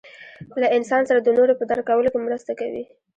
له انسان سره د نورو په درک کولو کې مرسته کوي.